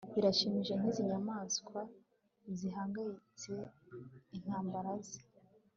Birashimishije nkizi nyamaswa zihangayitse intambara ze